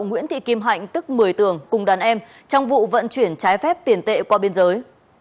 nguyễn thị kim hạnh tức một mươi tường cùng đàn em trong vụ vận chuyển trái phép tiền tệ qua biên giới